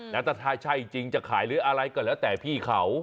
แล้วถ้าใช่จริงจะขายหรืออะไรก็แล้วแต่พี่เขา